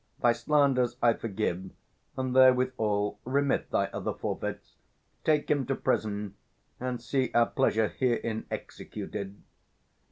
Thy slanders I forgive; and therewithal Remit thy other forfeits. Take him to prison; And see our pleasure herein executed.